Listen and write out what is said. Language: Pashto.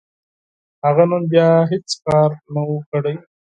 هغه نن بيا هيڅ کار نه و، کړی.